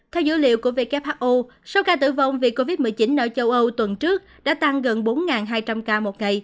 theo dữ liệu của who số ca tử vong vì covid một mươi chín ở châu âu tuần trước đã tăng gần bốn hai trăm linh ca một ngày